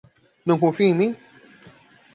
Não confia em mim?